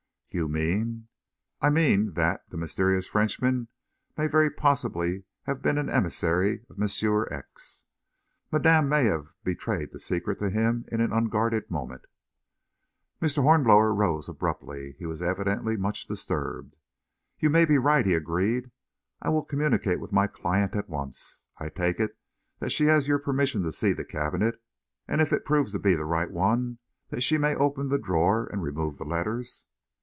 "You mean...." "I mean that the mysterious Frenchman may very possibly have been an emissary of Monsieur X. Madame may have betrayed the secret to him in an unguarded moment." Mr. Hornblower rose abruptly. He was evidently much disturbed. "You may be right," he agreed. "I will communicate with my client at once. I take it that she has your permission to see the cabinet; and, if it proves to be the right one, that she may open the drawer and remove the letters."